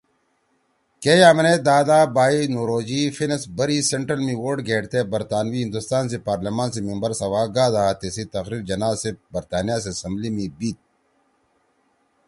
کے یأمنے دادا بائی نوروجی فِنس بری سنٹرل می ووٹ گھیڑتے برطانوی ہندوستان سی پارلیمان سی ممبر سوا گادا تیِسی تقریر جناح صیب برطانیہ سی اسمبلی (House of Commons) می بیِت